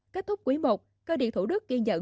kết thúc quý i cơ điện thủ đức ghi nhận